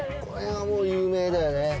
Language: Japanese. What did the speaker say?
これはもう有名だよね。